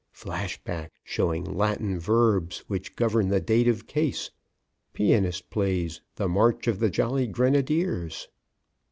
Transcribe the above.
(_Flash back showing the Latin verbs which govern the dative case. Pianist plays: "The March of the Jolly Grenadiers."